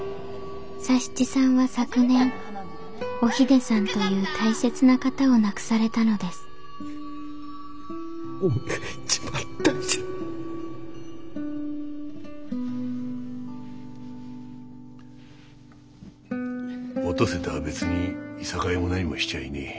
佐七さんは昨年おひでさんという大切な方を亡くされたのですお登世とは別に諍いもなにもしちゃいねえ。